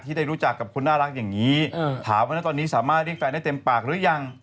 ได้รู้จักกับคนน่ารักอย่างนี้ถามว่าตอนนี้สามารถเรียกแฟนได้เต็มปากหรือยัง